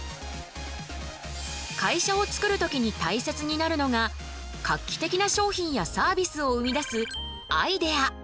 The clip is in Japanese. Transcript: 会社を作る時に大切になるのが画期的な商品やサービスを生み出すアイデア。